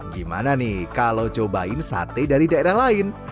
gimana nih kalau cobain sate dari daerah lain